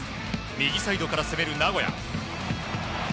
右サイドから攻める名古屋。